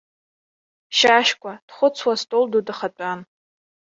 Шьашькәа дхәыцуа астол ду дахатәан.